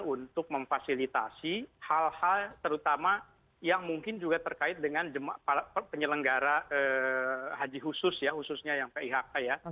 untuk memfasilitasi hal hal terutama yang mungkin juga terkait dengan penyelenggara haji khusus ya khususnya yang pihk ya